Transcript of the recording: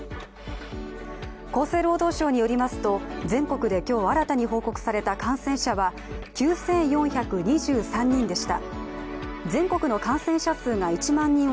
厚生労働省によりますと全国で今日新たに報告された感染者は、９４２３人でした。